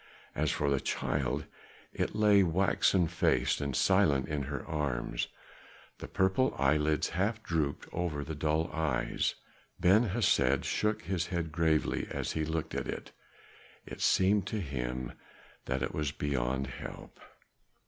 As for the child, it lay waxen faced and silent in her arms, the purple eyelids half dropped over the dull eyes. Ben Hesed shook his head gravely as he looked at it; it seemed to him that it was beyond help.